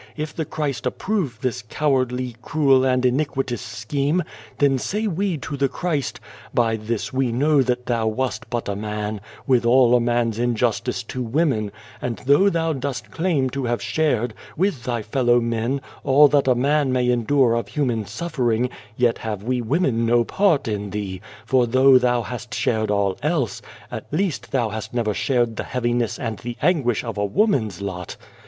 If the Christ approve this cowardly, cruel and iniquitous scheme, then say we to the Christ : 250 A World Without a Child "' By this we know that Thou wast but a man, with all a man's injustice to women ; and though Thou dost claim to have shared, with Thy fellow men, all that a man may endure of human suffering, yet have we women no part in Thee, for though Thou hast shared all else, at least Thou hast never shared the heaviness and the anguish of a woman's lot.